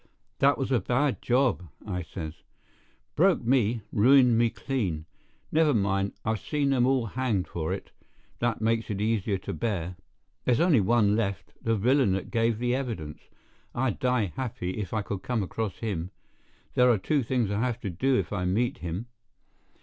"That was a bad job," I says. "Broke me—ruined me clean. Never mind, I've seen them all hanged for it; that makes it easier to bear. There's only one left—the villain that gave the evidence. I'd die happy if I could come across him. There are two things I have to do if I meet him."